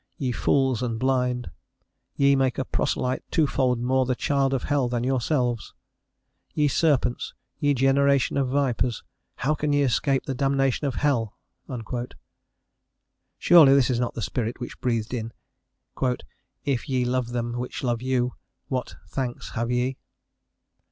ye fools and blind... ye make a proselyte twofold more the child of hell than yourselves... ye serpents, ye generation of vipers, how can ye escape the damnation of hell!" Surely this is not the spirit which breathed in, "If ye love them which love you, what thanks have ye?...